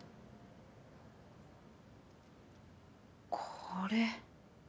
これ。